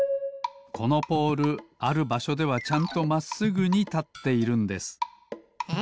このポールあるばしょではちゃんとまっすぐにたっているんです。え？